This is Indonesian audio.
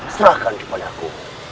serahkan kepada ku